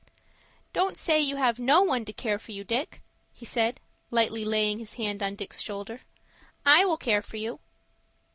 "Don't say you have no one to care for you, Dick," he said, lightly laying his hand on Dick's shoulder. "I will care for you."